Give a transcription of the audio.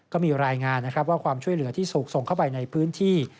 ก็มีรายงานนะครับว่าความช่วยเหลือที่ถูกส่งเข้าไปในพื้นที่